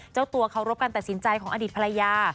เจ้าตัวเคารพการตัดสินใจของอดีตภรรยา